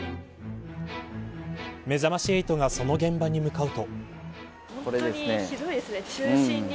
めざまし８がその現場に向かうと。